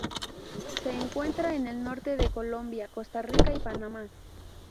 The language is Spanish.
Se encuentra en el norte de Colombia, Costa Rica y Panamá.